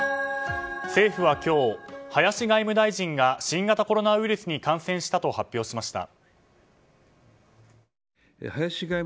政府は今日、林外務大臣が新型コロナウイルスに感染したと発表しました。